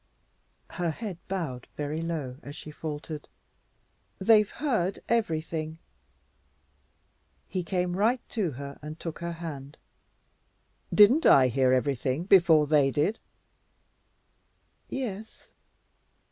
Her head bowed very low as she faltered, "They've heard everything." He came right to her and took her hand. "Didn't I hear everything before they did?" "Yes."